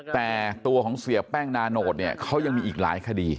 แต่ตัวของเสียแป้งนาโนตเนี่ยเขายังมีอีกหลายคดี